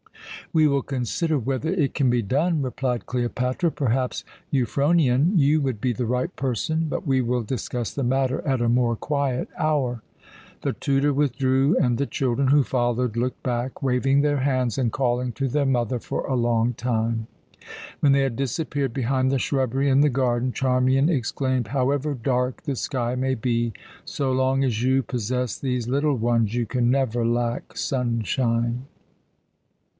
"We will consider whether it can be done," replied Cleopatra. "Perhaps, Euphronion, you would be the right person But we will discuss the matter at a more quiet hour." The tutor withdrew and the children, who followed, looked back, waving their hands and calling to their mother for a long time. When they had disappeared behind the shrubbery in the garden Charmian exclaimed, "However dark the sky may be, so long as you possess these little ones you can never lack sunshine."